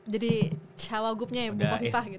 jadi cowok gupnya ya bukaviva